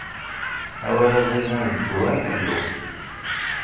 Awal aẓidan, d ddwa n ḥellu.